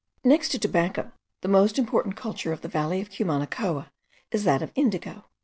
Next to tobacco, the most important culture of the valley of Cumanacoa is that of indigo.